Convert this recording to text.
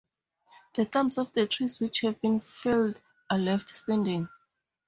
The stumps of the trees which have been felled are left standing.